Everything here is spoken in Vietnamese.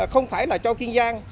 không phải là cho kiên giang